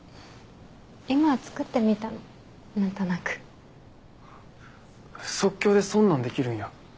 今作ってみたのなんとなく即興でそんなんできるんや？